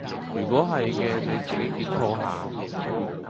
如果係既你自己檢討下